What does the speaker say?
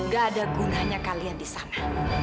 gak ada gunanya kalian disana